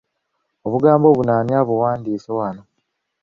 Obugambo buno ani abuwandiise wano.